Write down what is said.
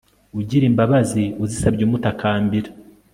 ugir'imbabazi uzisaby'umutakambira